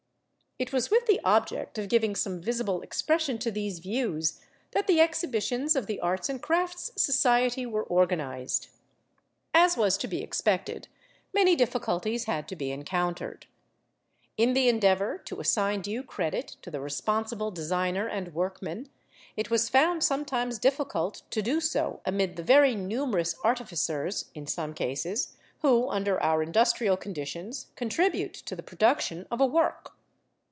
It was with the object of giving some visible expression to these views that the Exhibitions of the Arts and Crafts Society were organised. As was to be expected, many difficulties had to be encountered. In the endeavour to assign due credit to the responsible designer and workman, it was found sometimes difficult to do so amid the very numerous artificers (in some cases) who under our industrial conditions contribute to the production of a work.